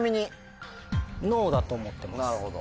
なるほど。